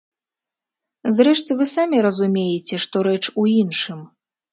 Зрэшты, вы самі разумееце, што рэч у іншым.